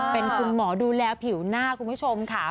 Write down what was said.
เป็นคุณหมอดูแลผิวหน้าคุณผู้ชมค่ะ